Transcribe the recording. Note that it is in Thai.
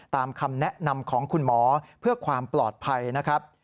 คำแนะนำของคุณหมอเพื่อความปลอดภัยนะครับ